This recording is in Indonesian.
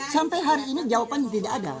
sampai hari ini jawaban tidak ada